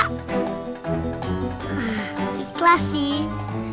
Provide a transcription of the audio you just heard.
hah di kelas sih